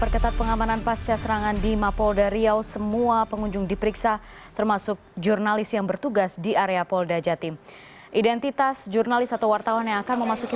cnn indonesia breaking news